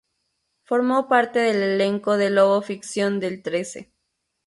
Formó parte del elenco de "Lobo", ficción de El Trece.